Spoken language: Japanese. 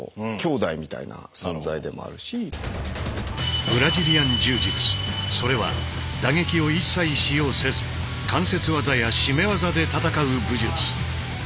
何かブラジリアン柔術それは打撃を一切使用せず関節技や絞め技で戦う武術。